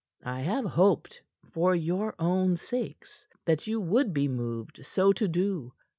I have hoped for your own sakes that you would be moved so to do.